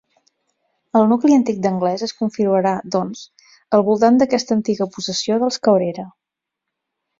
El nucli antic d'Anglès es configurarà, doncs, al voltant d'aquesta antiga possessió dels Cabrera.